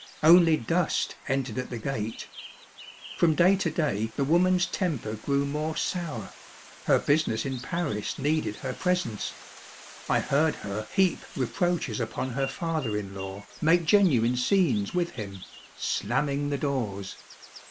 Only dust entered at the gate. From day to day the woman's temper grew more sour. Her business in Paris needed her presence. I heard her heap reproaches upon her father in law, make genuine scenes with him, slamming the doors.